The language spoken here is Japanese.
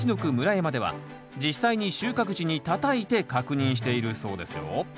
山では実際に収穫時にたたいて確認しているそうですよ。